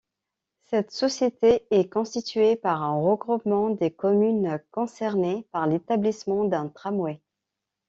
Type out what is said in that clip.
Cette société est constituée par un regroupement des communes concernées par l'établissement d'un tramway.